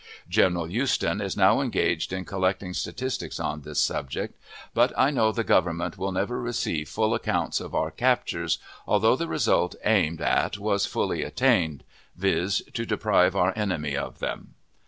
General Euston is now engaged in collecting statistics on this subject, but I know the Government will never receive full accounts of our captures, although the result aimed at was fully attained, viz., to deprive our enemy of them.